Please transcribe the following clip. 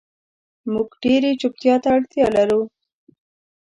مونږ ډیرې چوپتیا ته اړتیا لرو